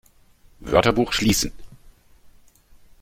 Wörterbuch schließen!